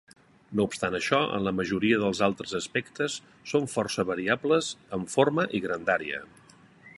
No obstant això, en la majoria dels altres aspectes, són força variables en forma i grandària.